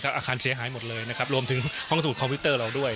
อาคารเสียหายหมดเลยนะครับรวมถึงห้องสูตรคอมพิวเตอร์เราด้วย